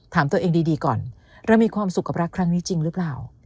ถามตัวเองดีก่อนเรามีความสุขกับรักครั้งนี้จริงหรือเปล่า